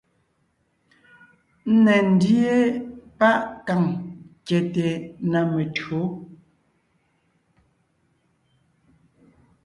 Ńne ńdíe páʼ kàŋ kyɛte na metÿǒ,